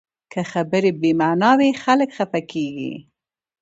که خبرې بې معنا وي، خلک خفه کېږي